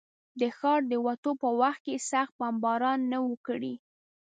د ښاره د وتو په وخت کې یې سخت بمبار نه و کړی.